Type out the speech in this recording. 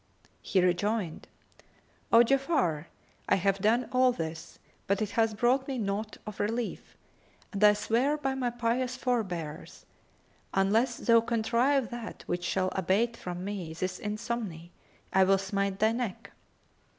'" He rejoined, "O Ja'afar I have done all this, but it hath brought me naught of relief, and I swear by my pious forbears unless thou contrive that which shall abate from me this insomny, I will smite thy neck."